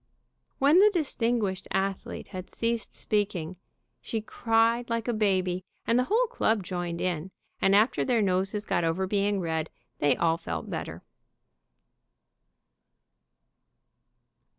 When the distinguished athlete had ceased speaking she cried like a baby, and the whole club joined in, and after their noses got over being red they all felt better.